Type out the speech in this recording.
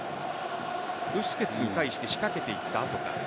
ブスケツに対して仕掛けていった後。